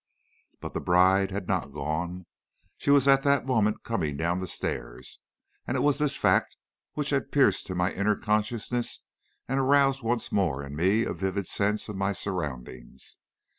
But the bride had not gone. She was at that moment coming down the stairs, and it was this fact which had pierced to my inner consciousness, and aroused once more in me a vivid sense of my surroundings.